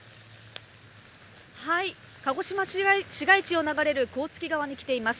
鹿児島市街地を流れる甲突川に来ています。